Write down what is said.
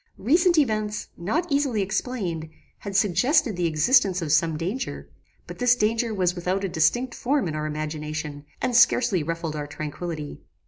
Recent events, not easily explained, had suggested the existence of some danger; but this danger was without a distinct form in our imagination, and scarcely ruffled our tranquillity.